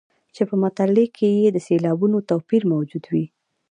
چې په مطلع کې یې د سېلابونو توپیر موجود وي.